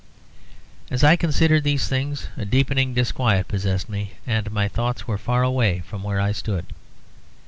As I considered these things a deepening disquiet possessed me, and my thoughts were far away from where I stood.